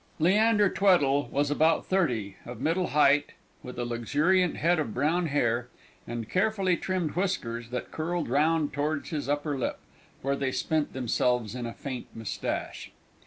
Leander Tweddle was about thirty, of middle height, with a luxuriant head of brown hair, and carefully trimmed whiskers that curled round towards his upper lip, where they spent themselves in a faint moustache.